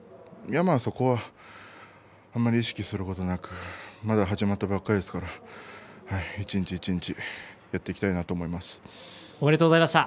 そこはあまり意識することなくまだ始まったばかりですので一日一日やっていきたいなとおめでとうございました。